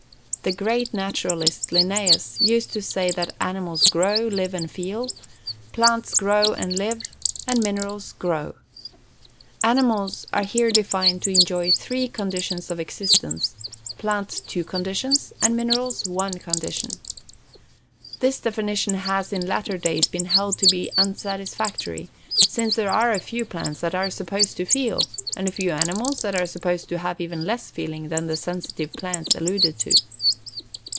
_ The great naturalist, Linnæus, used to say that animals grow, live, and feel; plants grow and live; and minerals grow. Animals are here defined to enjoy three conditions of existence; plants two conditions; and minerals one condition. This definition has, in latter days, been held to be unsatisfactory, since there are a few plants that are supposed to feel, and a few animals that are supposed to have even less feeling than the sensitive plants alluded to.